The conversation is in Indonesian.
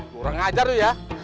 kurang ngajar tuh ya